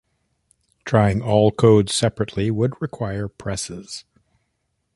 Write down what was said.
Trying all codes separately would require presses.